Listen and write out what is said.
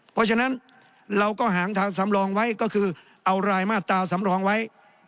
เพราะฉะนั้นเราก็หางทางสำรองไว้ก็คือเอารายมาตราสำรองไว้